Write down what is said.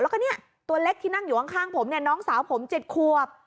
แล้วก็เนี่ยตัวเล็กที่นั่งอยู่ข้างผมเนี่ยน้องสาวผม๗ควบ